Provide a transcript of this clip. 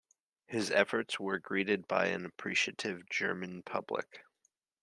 His efforts were greeted by an appreciative German public.